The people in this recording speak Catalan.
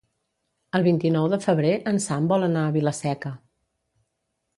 El vint-i-nou de febrer en Sam vol anar a Vila-seca.